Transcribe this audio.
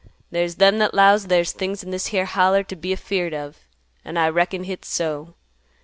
There's them that 'lows there's things in this here Holler t' be afeared of, an' I reckon hit's so.